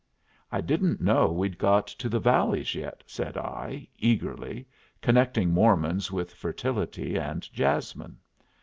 "I didn't know we'd got to the valleys yet," said I, eagerly, connecting Mormons with fertility and jasmine.